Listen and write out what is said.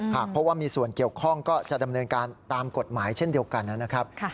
หากพบว่ามีส่วนเกี่ยวข้องก็จะดำเนินการตามกฎหมายเช่นเดียวกันนะครับ